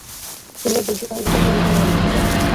তুমি একজন সিপাহীর উপর দারোয়ানি করছ না?